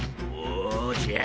おじゃ。